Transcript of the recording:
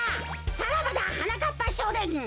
さらばだはなかっぱしょうねん！